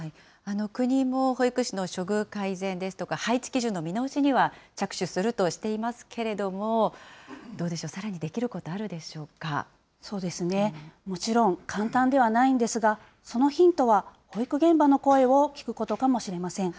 国も保育士の処遇改善ですとか、配置基準の見直しには着手するとしていますけれども、どうでしょう、さらにできることあるでそうですね、もちろん簡単ではないんですが、そのヒントは、保育現場の声を聞くことかもしれません。